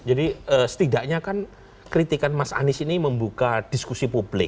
setidaknya kan kritikan mas anies ini membuka diskusi publik